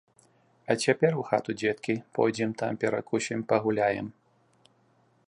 А цяпер у хату, дзеткі, пойдзем, там перакусім, пагуляем.